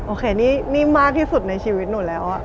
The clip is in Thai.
โอเคนี่มากที่สุดในชีวิตหนูแล้ว